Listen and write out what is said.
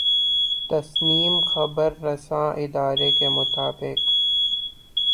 تسنیم خبررساں ادارے کے مطابق